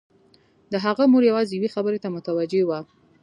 د هغه مور يوازې يوې خبرې ته متوجه وه.